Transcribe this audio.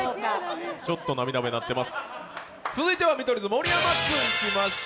ちょっと涙目、なってます。